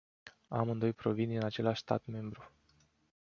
Amândoi provin din același stat membru.